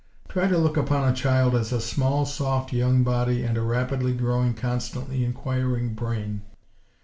Try to look upon a child as a small, soft young body and a rapidly growing, constantly inquiring brain.